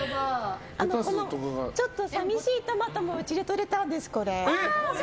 ちょっと寂しいトマトもうちでとれたんです、これ。